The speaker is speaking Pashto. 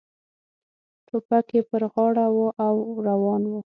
ټوپک یې پر غاړه و او روان و.